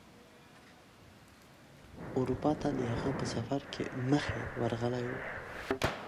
اروپا ته د هغه په سفر کې مخې ورغلی و.